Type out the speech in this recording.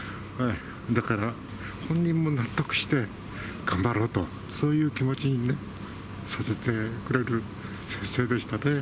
だから、本人も納得して頑張ろうと、そういう気持ちにね、させてくれる先生でしたね。